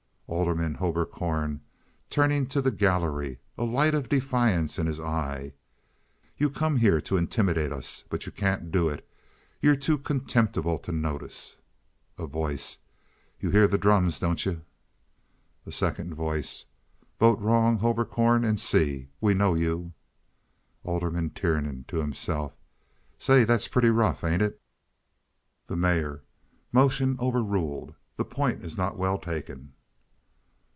Alderman Hoberkorn (turning to the gallery, a light of defiance in his eye). "You come here to intimidate us, but you can't do it. You're too contemptible to notice." A Voice. "You hear the drums, don't you?" A Second Voice. "Vote wrong, Hoberkorn, and see. We know you." Alderman Tiernan (to himself). "Say, that's pretty rough, ain't it?" The Mayor. "Motion overruled. The point is not well taken."